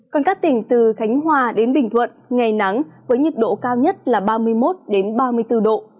còn các tỉnh từ khánh hòa đến bình thuận ngày nắng với nhiệt độ cao nhất là ba mươi một ba mươi bốn độ